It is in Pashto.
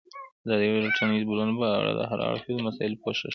ازادي راډیو د ټولنیز بدلون په اړه د هر اړخیزو مسایلو پوښښ کړی.